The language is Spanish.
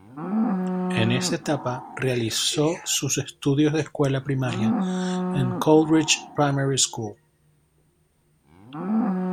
En esta etapa realizó sus estudios de escuela primaria en Coleridge Primary School.